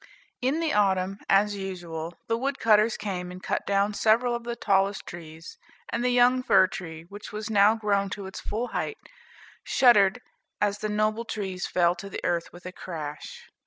In the autumn, as usual, the wood cutters came and cut down several of the tallest trees, and the young fir tree, which was now grown to its full height, shuddered as the noble trees fell to the earth with a crash.